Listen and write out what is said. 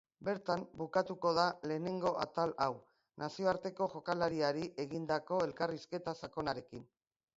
Bertan bukatuko da lehenengo atal hau, nazioarteko jokalariari egindako elkarrizketa sakonarekin.